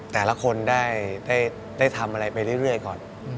แต่ละคนได้ทำอะไรไปเรื่อยก่อน